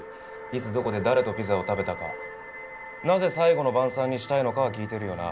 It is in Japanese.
いつどこで誰とピザを食べたかなぜ最後の晩餐にしたいのかは聞いてるよな？